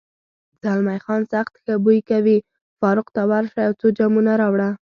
زلمی خان: سخت ښه بوی کوي، فاروق، ته ورشه یو څو جامونه راوړه.